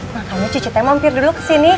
makanya cucu teh mampir dulu kesini